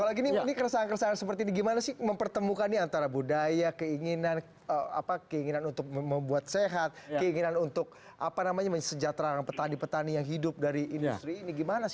kalau gini ini keresahan keresahan seperti ini gimana sih mempertemukan nih antara budaya keinginan untuk membuat sehat keinginan untuk apa namanya mensejahterakan petani petani yang hidup dari industri ini gimana sih